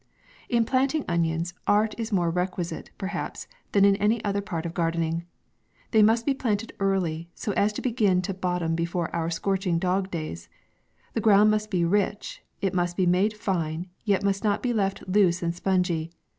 In planting onions, art is more requisite, perhaps, than in any other part of gardening. They must be planted early, so as to begin to bottom before our scorching dog days. The ground must be rich, it must be made fine, yet must not be left loose and spongy.